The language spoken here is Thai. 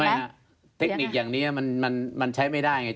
ไม่อ่ะเทคนิคอย่างนี้มันใช้ไม่ได้